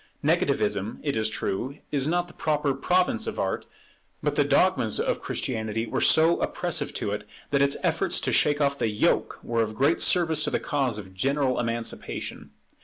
Negativism, it is true, is not the proper province of Art; but the dogmas of Christianity were so oppressive to it, that its efforts to shake off the yoke were of great service to the cause of general emancipation.